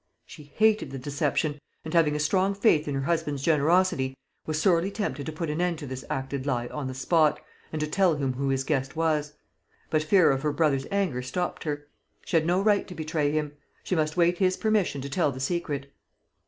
She hated the deception; and having a strong faith in her husband's generosity, was sorely tempted to put an end to this acted lie on the spot, and to tell him who his guest was; but fear of her brother's anger stopped her. She had no right to betray him; she must wait his permission to tell the secret.